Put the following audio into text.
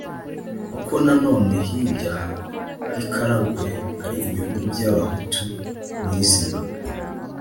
kuko nanone hirya y’ikaragwe ari ibihugu by’abahutu nyirizina!”